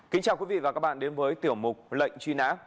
kính chào quý vị và các bạn đến với tiểu mục lệnh truy nã